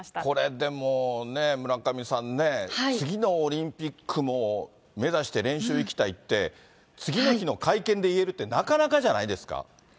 これ、でもね、村上さんね、次のオリンピックも目指して練習行きたいって、次の日の会見で言えるって、なかなかじゃないですか。